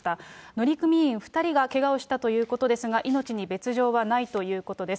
乗組員２人がけがをしたということですが、命に別状はないということです。